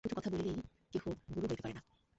শুধু কথা বলিলেই কেহ গুরু হইতে পারে না।